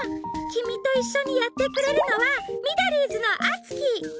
きみといっしょにやってくれるのはミドリーズのあつき！